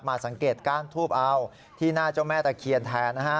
สังเกตก้านทูบเอาที่หน้าเจ้าแม่ตะเคียนแทนนะฮะ